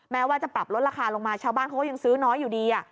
แม้ว่าจะปรับลดราคาลงมาชาวบ้านเขาก็ยังซื้อน้อยอยู่ดี